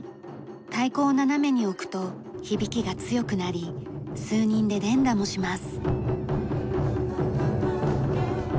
太鼓を斜めに置くと響きが強くなり数人で連打もします。